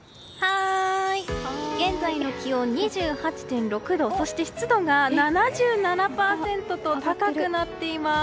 現在の気温２８．６度そして湿度が７７％と高くなっています。